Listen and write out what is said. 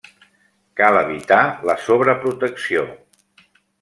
Cal evitar la sobreprotecció.